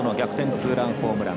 ツーランホームラン